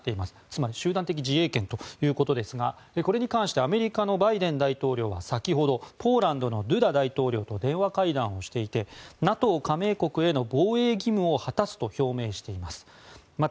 つまり集団的自衛権ということですがこれに関して、アメリカのバイデン大統領は先ほどポーランドのドゥダ大統領と電話会談をしていてＮＡＴＯ加盟国への防衛義務を果たすと表明しています。